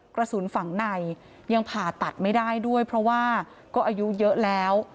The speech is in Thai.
กระสุนฝั่งในยังผ่าตัดไม่ได้ด้วยเพราะว่าก็อายุเยอะแล้ว